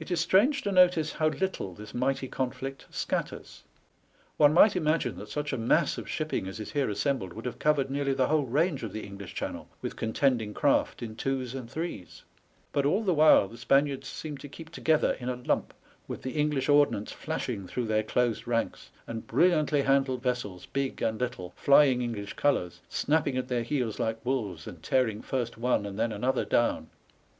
It is strange to notice how little this mighty conflict scatters. One might imagine that such a mass of shipping as is here assembled would have covered nearly the whole range of the English Channel with contending craft in twos and threes ; but all the while the Spaniards seemed to keep together in a lump, with the English ordnance flashing through their closed ranks, and brilliantly handled vessels, big and little, flying English colours, snapping at their heels like wolves, and tearing first one and then another down.